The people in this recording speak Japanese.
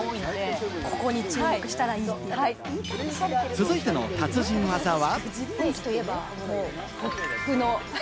続いての達人技は。